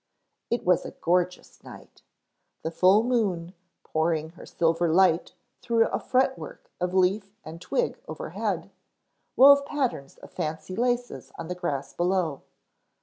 It was a gorgeous night. The full moon, pouring her silver light through a fretwork of leaf and twig overhead, wove patterns of fancy laces on the grass below.